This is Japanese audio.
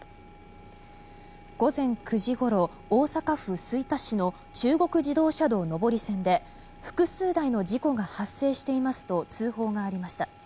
午前９時ごろ、大阪府吹田市の中国自動車道上り線で複数台の事故が発生していますと通報がありました。